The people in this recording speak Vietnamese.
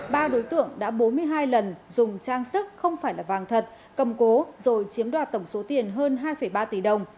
ba đối tượng đã bốn mươi hai lần dùng trang sức không phải là vàng thật cầm cố rồi chiếm đoạt tổng số tiền hơn hai ba tỷ đồng